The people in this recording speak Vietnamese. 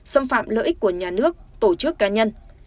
xâm phạm lợi ích của nhà nước tổ chức cá nhân